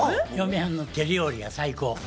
嫁はんの手料理が最高。